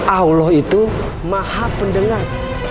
allah itu maha pendengar